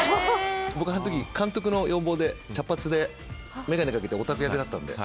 僕あの時、監督の要望で、茶髪で眼鏡かけてオタク役だったので。